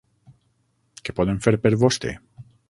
Què podem fer per vostè?